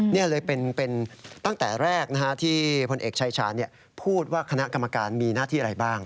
นี่เลยเป็นตั้งแต่แรกที่พลเอกชายชาญพูดว่าคณะกรรมการมีหน้าที่อะไรบ้าง